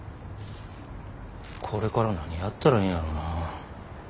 これから何やったらええんやろなぁ。